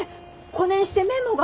こねんしてメモが。